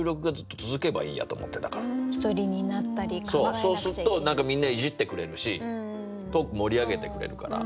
そうすると何かみんないじってくれるしトーク盛り上げてくれるから。